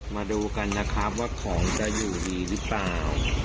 มาดูกันนะครับว่าของจะอยู่ดีหรือเปล่า